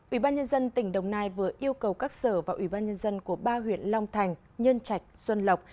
ủy ban nhân dân tỉnh đồng nai vừa yêu cầu các sở và ủy ban nhân dân của ba huyện long thành nhân trạch xuân lộc